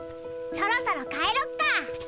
そろそろ帰ろっか。